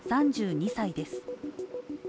３２歳です。